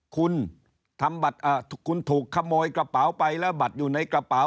คุณถูกขโมยกระเป๋าไปแล้วบัตรอยู่ในกระเป๋า